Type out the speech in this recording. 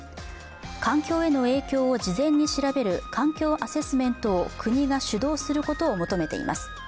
環境への影響を事前に調べる環境アセスメントを国が主導することを求めています。